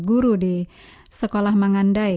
guru di sekolah mengandai